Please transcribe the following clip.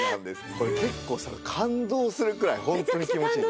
これ結構感動するくらいホントに気持ちいい。